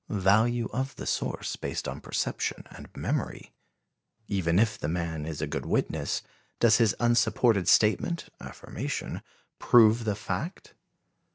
(Value of the source, based on perception and memory.) Even if the man is a good witness, does his unsupported statement (affirmation) prove the fact?